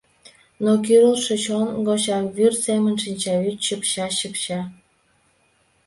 Но кӱрылтшӧ чон гочак Вӱр семын шинчавӱд чыпча, чыпча.